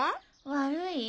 悪い？